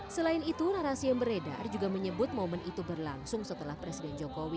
selain itu narasi yang beredar juga menyebut momen itu berlangsung setelah presiden jokowi